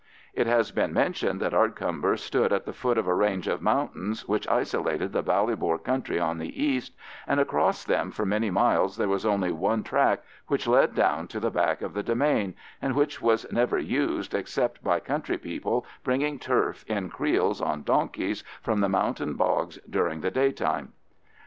It has been mentioned that Ardcumber stood at the foot of a range of mountains, which isolated the Ballybor country on the east, and across them for many miles there was only one track, which led down to the back of the demesne, and which was never used except by country people bringing turf in creels on donkeys from the mountain bogs during the day time.